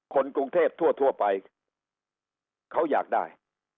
คนกรุงเทพทั่วไปเขาอยากได้